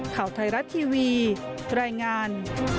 เท่าไทยรัตน์ทีวีรายงาน